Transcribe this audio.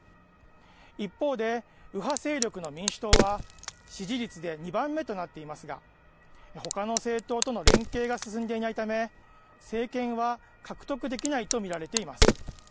一方で右派勢力の民主党は支持率で２番目となっていますが他の政党との連携が進んでいないため政権は獲得できないと見られています。